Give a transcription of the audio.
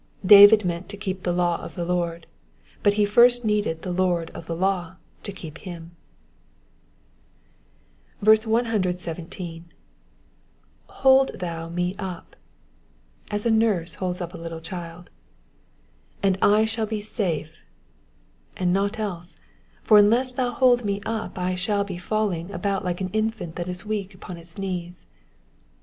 David meant to keep the law of the Lord, but he first needed the Lord of the law to keep him. 117. ^'ffold thou me up ^\' as a nurse holds up a little child. ^^And I shall "be safe,"*^ and not else ; for unless thou hold me up I shall be falling about like an infant that is weak upon its knees.